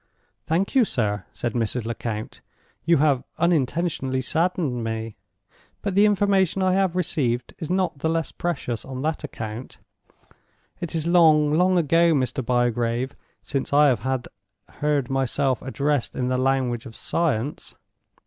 "Thank you, sir," said Mrs. Lecount. "You have unintentionally saddened me; but the information I have received is not the less precious on that account. It is long, long ago, Mr. Bygrave, since I have heard myself addressed in the language of science.